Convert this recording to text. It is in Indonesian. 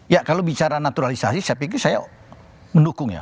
ya kalau bicara naturalisasi saya pikir saya mendukung ya